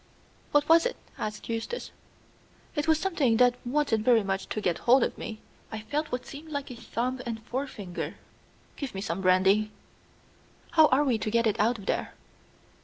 "What was it?" asked Eustace. "It was something that wanted very much to get hold of me. I felt what seemed like a thumb and forefinger. Give me some brandy." "How are we to get it out of there?"